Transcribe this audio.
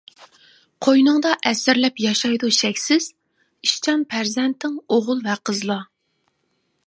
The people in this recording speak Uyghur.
قوينۇڭدا ئەسىرلەپ ياشايدۇ شەكسىز، ئىشچان پەرزەنتىڭ ئوغۇل ۋە قىزلا.